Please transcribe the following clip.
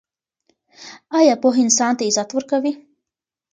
آیا پوهه انسان ته عزت ورکوي؟